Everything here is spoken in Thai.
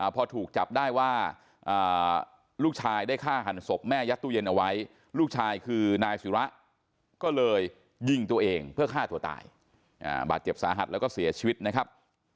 พอถูกจับได้ว่าลูกชายได้ฆ่าหันศพแม่ยัดตู้เย็นเอาไว้ลูกชายคือนายศิระก็เลยยิงตัวเองเพื่อฆ่าตัวตายบาดเจ็บสาหัสแล้วก็เสียชีวิตนะครับ